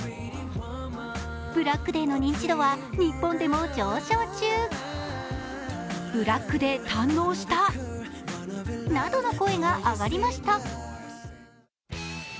ブラックデーの認知度は日本でも上昇中。などの声が上がりました。